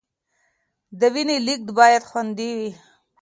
د وینې لیږد باید خوندي وي.